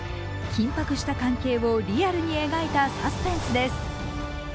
緊迫した関係をリアルに描いたサスペンスです。